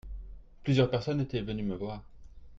Plusieurs personnes étaient venues me voir.